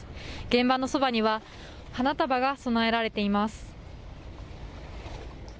現場のそばには花束が供えられています。